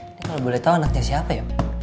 ini kalau boleh tau anaknya siapa yuk